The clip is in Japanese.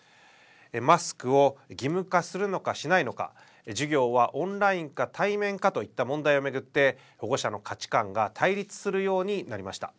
マスクを義務化するのかしないのか授業はオンラインか対面かといった問題を巡って保護者の価値観が対立するようになりました。